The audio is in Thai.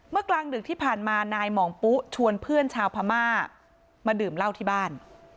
กลางดึกที่ผ่านมานายหมองปุ๊ชวนเพื่อนชาวพม่ามาดื่มเหล้าที่บ้าน